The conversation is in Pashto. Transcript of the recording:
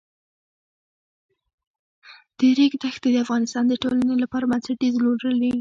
د ریګ دښتې د افغانستان د ټولنې لپاره بنسټيز رول لري.